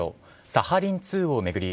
サハリン２を巡り